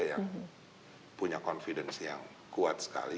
yang punya confidence yang kuat sekali